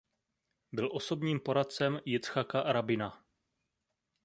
Byl osobním poradcem Jicchaka Rabina.